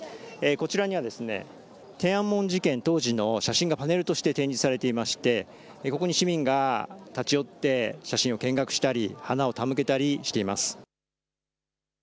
こちらにはですね天安門事件当時の写真がパネルとして展示されていましてここに市民が立ち寄って写真を見学したり花を手向けたりしています。